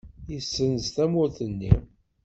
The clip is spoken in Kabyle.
Yessenz tawwurt-nni.